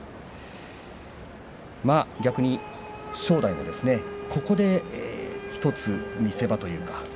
逆に正代がここで１つ見せ場というか。